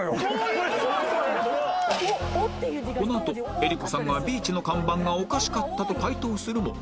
このあと江里子さんがビーチの看板がおかしかったと解答するも